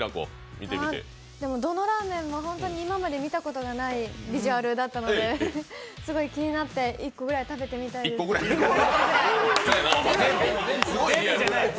どのラーメンも本当に今まで見たことがないビジュアルだったのですごい気になって、１個ぐらい食べてみたいです。